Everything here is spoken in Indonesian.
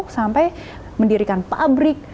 sampai mendirikan pabrik